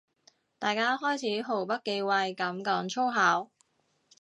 大家開始毫不忌諱噉講粗口